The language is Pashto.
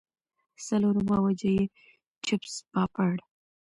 څلورمه وجه ئې چپس پاپړ